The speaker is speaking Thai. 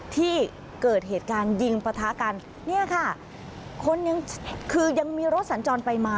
ที่เกิดเหตุการณ์ยิงประทะกันเนี่ยค่ะคนยังคือยังมีรถสัญจรไปมา